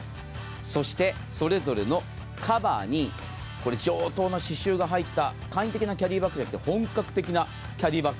そしてそれぞれのカバーに上等な刺しゅうが入った、簡易的なものではなく本格的なキャディバッグ